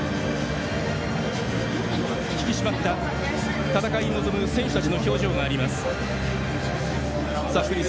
引き締まった戦いに臨む選手たちの表情があります。